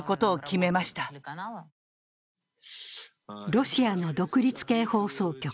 ロシアの独立系放送局